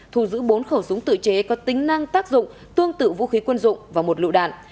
thu giữ bốn khẩu súng tự chế có tính năng tác dụng tương tự vũ khí quân dụng và một lụ đạn